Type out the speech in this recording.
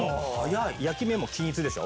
焼き目も均一でしょ？